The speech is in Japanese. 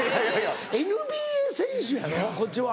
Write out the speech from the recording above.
ＮＢＡ選手やぞ⁉こっちは。